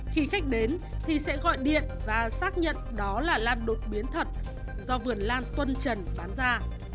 khi khách đến thì sẽ gọi điện và xác nhận đó là lan đột biến thật do vườn lan tuân trần bán ra